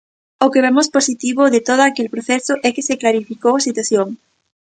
O que vemos positivo de todo aquel proceso é que se clarificou a situación.